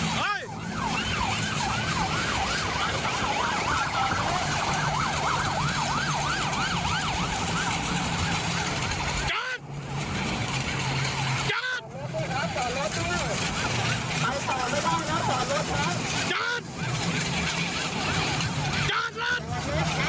รถถอดแล้วกันรถหนิ